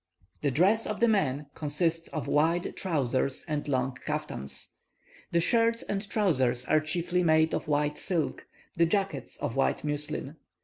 The dress of the men consists of wide trousers and long kaftans. The shirts and trousers are chiefly made of white silk, the jacket of white muslin.